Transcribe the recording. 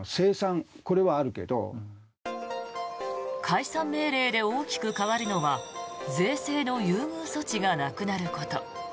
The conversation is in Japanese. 解散命令で大きく変わるのは税制の優遇措置がなくなること。